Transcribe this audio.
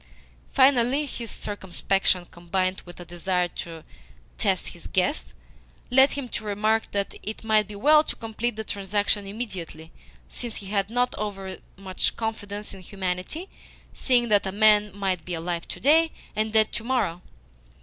Finally, his circumspection, combined with a desire to test his guest, led him to remark that it might be well to complete the transaction IMMEDIATELY, since he had not overmuch confidence in humanity, seeing that a man might be alive to day and dead to morrow.